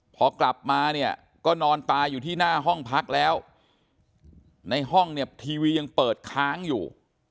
พอกลับมาเนี่ยก็นอนตายอยู่ที่หน้าห้องพักแล้วในห้องเนี่ยทีวียังเปิดค้างอยู่